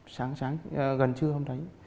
sáng sáng gần trưa hôm đấy